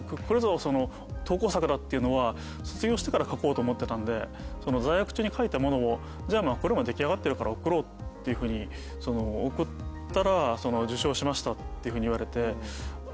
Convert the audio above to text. これぞ投稿作だっていうのは卒業してから書こうと思ってたので在学中に書いたものをじゃあ出来上がってるから送ろうっていうふうに送ったら受賞しましたって言われて。